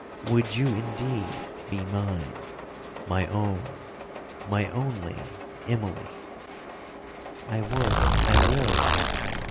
Would you indeed be mine?—my own—my only Immalee?'—'I would—I will!'